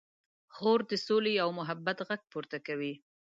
خور د سولې او محبت غږ پورته کوي.